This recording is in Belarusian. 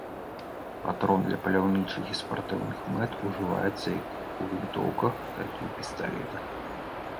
Патрон для паляўнічых і спартыўных мэт, ужываецца як у вінтоўках, так і ў пісталетах.